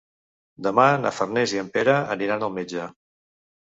Demà na Farners i en Pere aniran al metge.